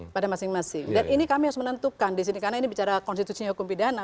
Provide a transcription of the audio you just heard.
pada masing masing dan ini kami harus menentukan di sini karena ini bicara konstitusi hukum pidana